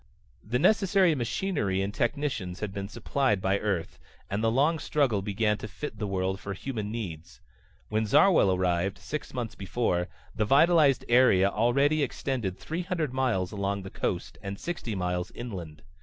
The necessary machinery and technicians had been supplied by Earth, and the long struggle began to fit the world for human needs. When Zarwell arrived, six months before, the vitalized area already extended three hundred miles along the coast, and sixty miles inland.